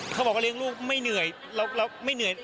เขาบอกว่าเลี้ยงลูกไม่เหนื่อยแล้วไม่เหนื่อย